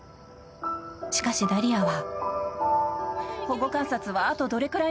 ［しかしダリアは］